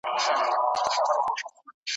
رښتيني خوبونه د نبوت له اجزاوو څخه دي.